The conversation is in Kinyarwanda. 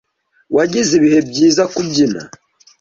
wagize ibihe byiza kubyina.